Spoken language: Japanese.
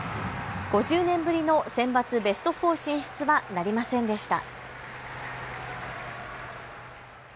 ５０年ぶりのセンバツベスト４進出はなりませんでした。